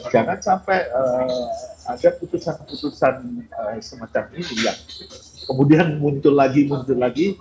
jangan sampai ada keputusan keputusan semacam ini yang kemudian muncul lagi muncul lagi